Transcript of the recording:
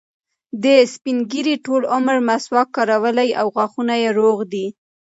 دې سپین ږیري ټول عمر مسواک کارولی او غاښونه یې روغ دي.